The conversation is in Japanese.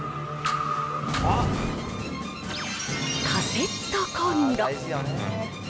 カセットコンロ。